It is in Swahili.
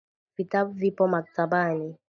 vitabu vipo maktabani